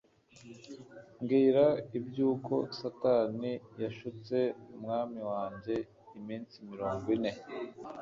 mbwira uby'uko satani yashutse umwami wanjye iminsi mirongo ine